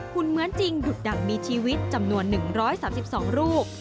หุ่นเหมือนจริงดุดดังมีชีวิตจำนวน๑๓๒ลูก